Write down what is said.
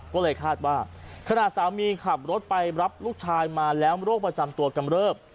ก็เลยคาดว่าขณะสามีขับรถไปรับลูกชายมาแล้วโรคประจำตัวกำเริบ